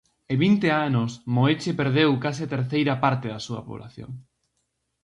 En vinte anos Moeche perdeu case a terceira parte da súa poboación.